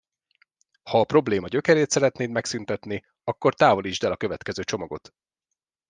Ha a probléma gyökerét szeretnéd megszüntetni akkor távolítsd el a következő csomagot!